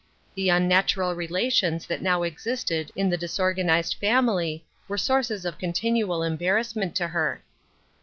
The unnatural relations that now existed in the disorganized family were sources of continual embarrassment to her.